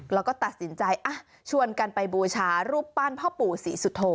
แล้วก็ตัดสินใจชวนกันไปบูชารูปปั้นพ่อปู่ศรีสุโธ